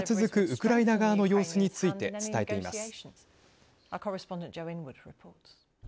ウクライナ側の様子について伝えています。